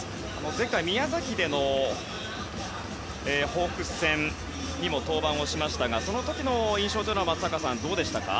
前回、宮崎でのホークス戦にも登板しましたがその時の印象は松坂さん、どうでしたか？